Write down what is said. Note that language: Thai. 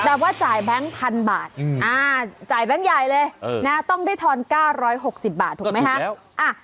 แต่ว่าจ่ายแบงค์๑๐๐บาทจ่ายแบงค์ใหญ่เลยต้องได้ทอน๙๖๐บาทถูกไหมคะ